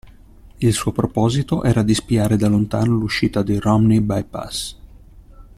Il suo proposito era di spiare da lontano l'uscita di Romney Bypass.